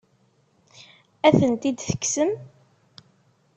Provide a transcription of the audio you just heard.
Ad tent-id-tekksem?